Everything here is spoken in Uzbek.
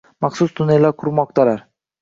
maxsus tunnellar qurmoqdalar.